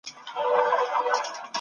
کتابتون له کور ښه دی.